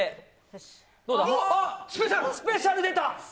スペシャル出た！